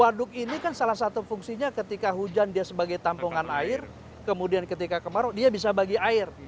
waduk ini kan salah satu fungsinya ketika hujan dia sebagai tampungan air kemudian ketika kemarau dia bisa bagi air